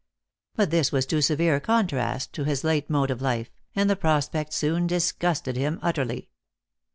But this was too severe a contrast to his late mode of life, and the prospect soon disgusted him utterly.